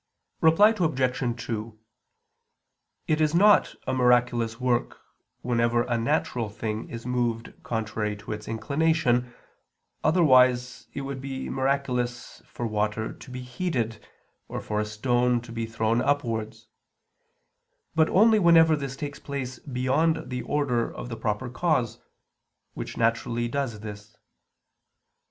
Reply Obj. 2: It is not a miraculous work, whenever a natural thing is moved contrary to its inclination, otherwise it would be miraculous for water to be heated, or for a stone to be thrown upwards; but only whenever this takes place beyond the order of the proper cause, which naturally does this.